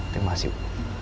terima kasih bu